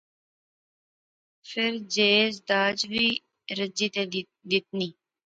فیر جہیز داج وی رجی تے دیتنی